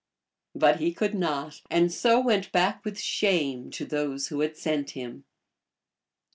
But he could not, and so went back with shame to those who had sent him.